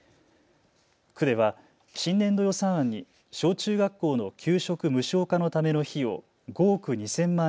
区では新年度予算案に小中学校の給食無償化のための費用５億２０００万円